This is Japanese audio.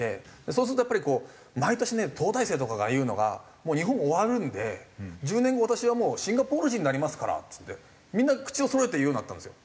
そうするとやっぱり毎年ね東大生とかが言うのが「もう日本終わるんで１０年後私はもうシンガポール人になりますから」っつってみんな口をそろえて言うようになったんですよ。